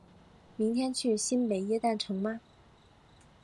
明天去新北耶诞城吗？